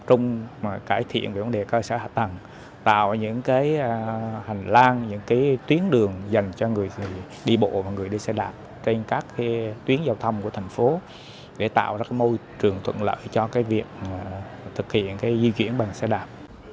trong cải thiện về vấn đề cơ sở hạ tầng tạo những hành lang những tuyến đường dành cho người đi bộ và người đi xe đạp trên các tuyến giao thông của thành phố để tạo ra môi trường thuận lợi cho việc thực hiện di chuyển bằng xe đạp